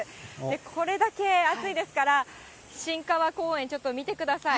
これだけ暑いですから、新川公園、ちょっと見てください。